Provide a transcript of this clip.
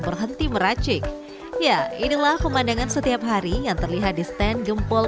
berhenti meracik ya inilah pemandangan setiap hari yang terlihat di stand gempol